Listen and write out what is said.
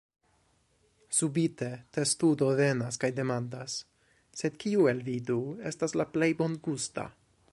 Subite, testudo venas kaj demandas: "Sed kiu el vi du estas la plej bongusta?"